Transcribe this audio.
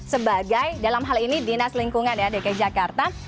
sebagai dalam hal ini dinas lingkungan ya dki jakarta